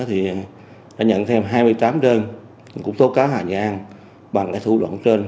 thì đã nhận thêm hai mươi tám đơn cũng tố cáo hà như an bằng lãi thủ đoạn trên